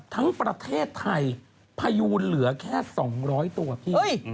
ทั้งประเทศไทยพยูนเหลือแค่๒๐๐ตัวพี่